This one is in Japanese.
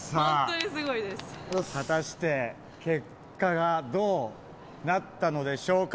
果たして、結果がどうなったのでしょうか。